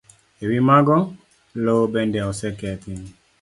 E wi mago, lowo bende osekethi.